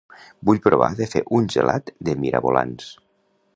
Vull provar de fer un gelat de mirabolans